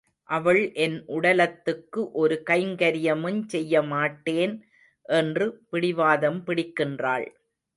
அவள் என் உடலத்துக்கு ஒரு கைங்கரியமுஞ் செய்ய மாட்டேன் என்று பிடிவாதம் பிடிக்கின்றாள்.